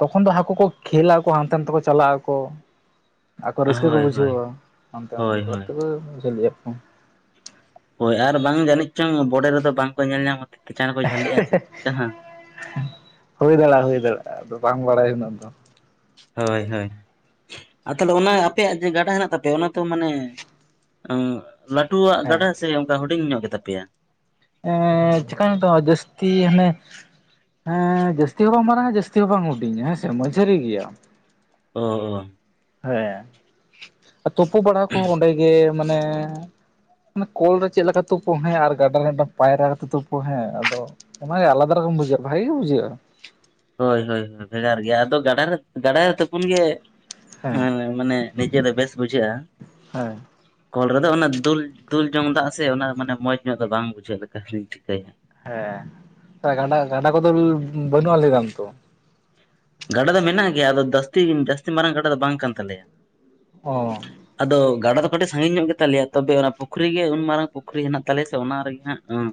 Speaker 1: ᱛᱚᱠᱷᱚᱱ ᱫᱚ ᱦᱟᱠᱳ ᱠᱚ ᱠᱷᱮᱹᱞ ᱟᱠᱚ ᱦᱟᱱᱛᱮ ᱱᱟᱛᱮᱠᱚ ᱪᱟᱞᱟᱜ ᱟᱠᱚ ᱟᱠᱚ ᱨᱟᱹᱥᱠᱟᱹ ᱠᱚ
Speaker 2: ᱦᱳᱭ ᱦᱳᱭ
Speaker 1: ᱵᱩᱡᱷᱟᱹᱣᱟ ᱛᱚ
Speaker 2: ᱦᱳᱭ
Speaker 1: ᱚᱱᱠᱟ
Speaker 2: ᱦᱳᱭ
Speaker 1: ᱛᱮᱜᱮ ᱡᱷᱟᱹᱞᱤᱜ ᱟᱠᱚ
Speaker 2: ᱦᱳᱭ ᱟᱨ ᱵᱟᱝ ᱡᱟᱹᱱᱤᱡ ᱪᱚᱝ ᱵᱚᱰᱮ ᱨᱮᱫᱚ ᱵᱟᱝᱠᱚ ᱧᱮᱞ ᱧᱟᱢ ᱛᱮ ᱪᱟᱬᱮ ᱠᱚ ᱡᱷᱟᱹᱞᱤᱜᱼᱟ ᱥᱮ ᱪᱮᱫᱠᱟ?
Speaker 1: ᱦᱩᱭ ᱫᱟᱲᱮᱭᱟᱜᱼᱟ ᱦᱩᱭ ᱫᱟᱲᱮᱭᱟᱜᱼᱟ ᱟᱫᱚ ᱵᱟᱝ ᱵᱟᱲᱟᱭ ᱩᱱᱟᱹᱜ ᱫᱚ᱾
Speaker 2: ᱦᱳᱭ ᱦᱳᱭ ᱟᱨ ᱛᱟᱦᱞᱮ ᱚᱱᱟ ᱟᱯᱮᱭᱟᱜ ᱡᱮᱹ ᱜᱟᱰᱟ ᱦᱮᱱᱟᱜ ᱛᱟᱯᱮᱭᱟ ᱚᱱᱟ ᱛᱚ ᱢᱟᱱᱮ ᱞᱟᱹᱴᱩᱣᱟᱜ
Speaker 1: ᱦᱮᱸ
Speaker 2: ᱜᱟᱰᱟ ᱥᱮ ᱚᱱᱠᱟ ᱦᱩᱰᱤᱧ ᱧᱚᱜ ᱜᱮᱛᱟ ᱯᱮᱭᱟ?
Speaker 1: ᱮᱻ ᱪᱮᱠᱟᱭᱟᱹᱧ ᱱᱮᱛᱚᱜ ᱡᱟᱹᱥᱛᱤ ᱦᱟᱱᱮ ᱮᱸ ᱦᱚᱸ [unintelligible] ᱡᱟᱹᱥᱛᱤ ᱦᱚᱸ ᱵᱟᱝ ᱦᱩᱰᱤᱧ ᱦᱮᱸ ᱥᱮ ᱢᱟᱡᱷᱟᱹᱨᱤ ᱜᱮᱭᱟ᱾
Speaker 2: ᱚ ᱚ
Speaker 1: ᱦᱮᱸ ᱛᱩᱯᱩ ᱵᱟᱲᱟ ᱠᱚ ᱚᱸᱰᱮ ᱜᱮ ᱢᱟᱱᱮ ᱟᱱᱟ ᱠᱚᱞ ᱨᱮ ᱪᱮᱫ ᱞᱮᱠᱟ ᱛᱩᱯᱚᱜ ᱦᱮᱸ ᱟᱨ ᱜᱟᱰᱟ ᱨᱮ ᱯᱟᱭᱨᱟ ᱠᱟᱛᱮᱜ ᱛᱩᱯᱚᱜ ᱦᱮᱸ ᱟᱫᱚ ᱚᱱᱟ ᱟᱞᱟᱫᱟ ᱨᱚᱠᱚᱢ ᱵᱩᱡᱷᱟᱹᱜᱼᱟ ᱵᱷᱟᱜᱮ ᱜᱮ ᱵᱩᱡᱷᱟᱹᱜᱼᱟ᱾
Speaker 2: ᱦᱳᱭ ᱦᱳᱭ ᱵᱷᱮᱜᱟᱨ ᱜᱮᱭᱟ ᱟᱫᱚ ᱜᱟᱰᱟ ᱨᱮ ᱜᱟᱰᱟ ᱨᱮ ᱛᱩᱯᱩᱱ ᱜᱮ ᱦᱮᱸ ᱢᱟᱱᱮ ᱱᱤᱡᱮ ᱨᱮ ᱵᱮᱥ ᱵᱩᱡᱷᱟᱹᱜᱼᱟ᱾
Speaker 1: ᱦᱮᱸ
Speaker 2: ᱠᱚᱞ ᱨᱮᱫᱚ ᱚᱱᱟ ᱫᱩᱞ ᱫᱩᱞ ᱡᱚᱝ ᱫᱟᱜ ᱥᱮ ᱚᱱᱟ ᱢᱟᱱᱮ ᱢᱚᱸᱡᱽ ᱧᱚᱜ ᱫᱚ ᱵᱟᱝ ᱵᱩᱡᱷᱟᱹᱜᱼᱟ ᱞᱮ ᱛᱟᱹᱠᱞᱤᱯ ᱛᱮ
Speaker 1: ᱦᱮᱸ ᱜᱟᱰᱟ ᱜᱟᱰᱟ ᱠᱚᱫᱚ ᱵᱟᱹᱱᱩᱜᱼᱟ ᱞᱟᱹᱭᱮᱫᱟᱢ ᱛᱚ
Speaker 2: ᱜᱟᱰᱟ ᱫᱚ ᱢᱮᱱᱟᱜ ᱜᱮᱭᱟ ᱟᱫᱚ ᱡᱟᱹᱥᱛᱤ ᱡᱟᱹᱥᱛᱤ ᱢᱟᱨᱟᱝ ᱜᱟᱰᱟ ᱫᱚ ᱵᱟᱝ ᱠᱟᱱ ᱛᱟᱞᱮᱭᱟ
Speaker 1: ᱦᱚᱸ
Speaker 2: ᱟᱫᱚ ᱜᱟᱰᱟ ᱫᱚ ᱠᱟᱹᱴᱤᱡ ᱥᱟᱺᱜᱤᱧ ᱧᱚᱜ ᱜᱮᱛᱟᱞᱮᱭᱟ ᱛᱚᱵᱮ ᱚᱱᱟ ᱯᱩᱠᱷᱨᱤᱤ ᱜᱮ ᱩᱱ ᱢᱟᱨᱟᱝ ᱯᱩᱠᱷᱨᱤ ᱢᱮᱱᱟᱜ ᱛᱟᱞᱮᱭᱟ ᱛᱚ ᱚᱱᱟ ᱨᱮᱜᱮ ᱦᱟᱸᱜ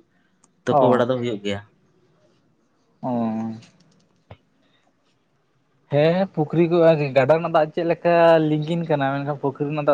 Speaker 1: ᱚ
Speaker 2: ᱛᱩᱯᱩ ᱵᱟᱲᱟ ᱫᱚ ᱦᱩᱭᱩᱜ ᱜᱮᱭᱟ᱾
Speaker 1: ᱚ ᱦᱮᱸ ᱯᱩᱠᱷᱨᱤ ᱠᱚ ᱟᱨᱠᱤ ᱜᱟᱰᱟ ᱨᱮᱱᱟᱜ ᱫᱟᱜ ᱪᱮᱫ ᱞᱮᱠᱟ ᱞᱤᱝᱜᱤᱱ ᱠᱟᱱᱟ ᱢᱮᱱᱠᱷᱟᱱ ᱯᱩᱠᱷᱨᱤ ᱨᱮᱱᱟᱜ ᱫᱟᱜ